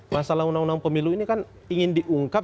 masalah undang undang pemilu ini kan ingin diungkap